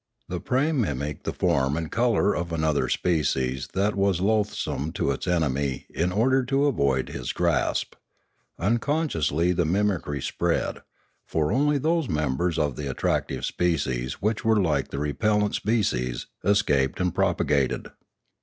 The prey mimicked the form and colour of another species that was loathsome to its enemy in order to avoid his grasp; unconsciously the mimicry spread, for only those members of the attractive species which were like the repellent species escaped and pro pagated.